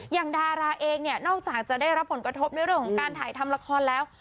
ดาราเองเนี่ยนอกจากจะได้รับผลกระทบในเรื่องของการถ่ายทำละครแล้ว